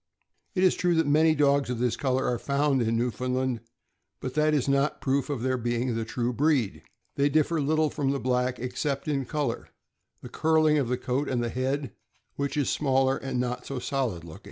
It is true that many dogs of this color are found in Newfoundland, but that is not proof of their being of the true breed. They differ little from the black, except in color, the curling of the coat, and the head, which is smaller, and not so solid looking.